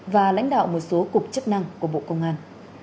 và lãnh đạo một số cục chức năng của bộ công an